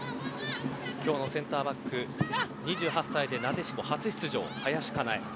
今日のセンターバック２８歳でなでしこ初出場林香奈絵。